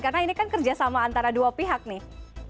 karena ini kan kerjasama antara dua pihak nih